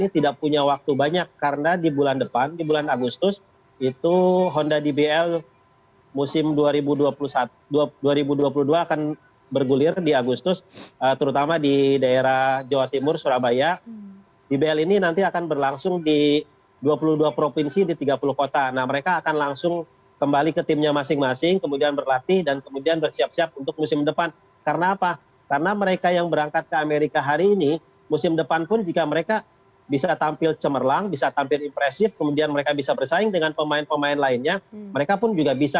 tim putri honda di bl all star dua ribu dua puluh dua berhasil menjadi juara suls turnamen yang digelar di california amerika serikat pada minggu